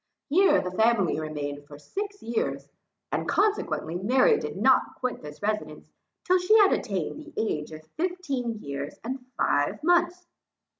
Here the family remained for six years, and consequently, Mary did not quit this residence, till she had attained the age of fifteen years and five months.